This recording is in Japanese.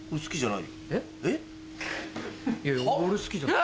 いやいや俺好きじゃない。